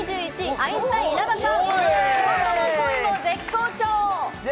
絶好調！